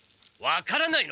分からない。